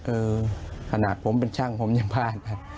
เออขนาดผมเป็นช่างผมยังพลาดครับ